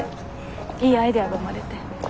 いいアイデアが生まれて。